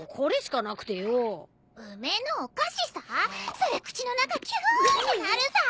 それ口の中キューってなるさ。